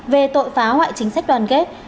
về tội phá hoại chính sách đoàn kết